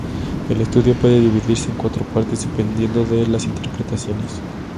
El estudio puede dividirse en cuatro partes, dependiendo de las interpretaciones.